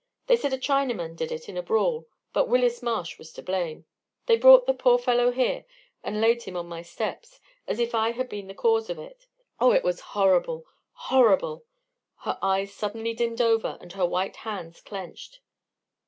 They said a Chinaman did it in a brawl, but Willis Marsh was to blame. They brought the poor fellow here, and laid him on my steps, as if I had been the cause of it. Oh, it was horrible, horrible!" Her eyes suddenly dimmed over and her white hands clenched.